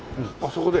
そこで？